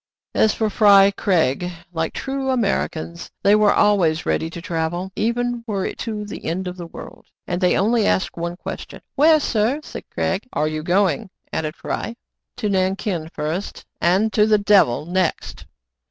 As for Fry Craig, like true Americans, they were always ready to travel, even were it to the end of the world ; and they only asked one ques tion. "Where, sir" — said Craig. "Are you going .^" added Fry. " To Nankin first, and to the devil next."